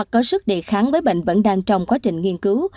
có sức đề kháng với bệnh vẫn đang trong quá trình nghiên cứu